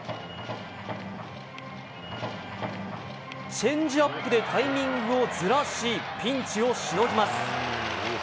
チェンジアップでタイミングをずらしピンチをしのぎます。